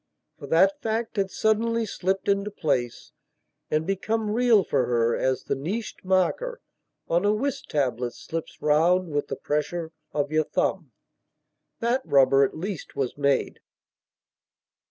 For that fact had suddenly slipped into place and become real for her as the niched marker on a whist tablet slips round with the pressure of your thumb. That rubber at least was made.